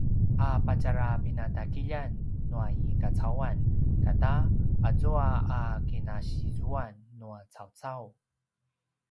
a patjarapinatagiljan nua i kacauan kata azua a kinasizuan nua cawcau